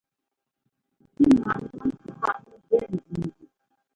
Kínaandɔn fú paʼ nɛ́ jʉɛ́ njinji.